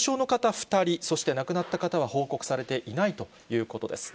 ２人、そして亡くなった方は報告されていないということです。